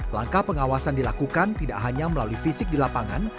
langkah pengawasan dilakukan tidak hanya melalui fisik di lapangan